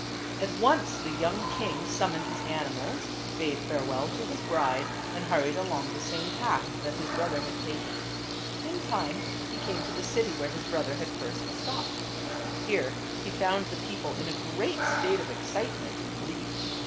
At once the young king summoned his animals, bade farewell to his bride and hurried along the same path that his brother had taken. In time he came to the city where his brother had first stopped. Here he found the people in a great state of excitement and grief.